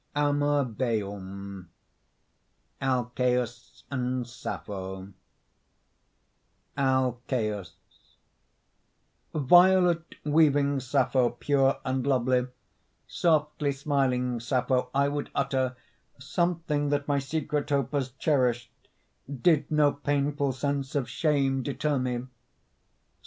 AMŒBEUM: ALCÆUS AND SAPPHO ALCUSÆUS Violet weaving Sappho, pure and lovely, Softly smiling Sappho, I would utter Something that my secret hope has cherished, Did no painful sense of shame deter me.